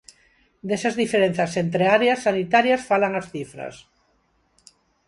Desas diferenzas entre áreas sanitarias falan as cifras.